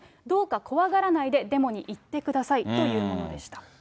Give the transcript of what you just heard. どうか怖がらないで、デモに行ってくださいというものでした。